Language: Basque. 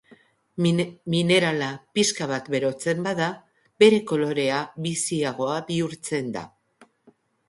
Minerala pixka bat berotzen bada, bere kolorea biziagoa bihurtzen da.